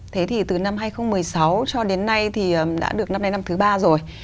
thế thì từ năm hai nghìn một mươi sáu cho đến nay thì đã được năm nay năm thứ ba rồi